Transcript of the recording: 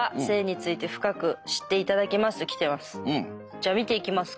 じゃあ見ていきますか。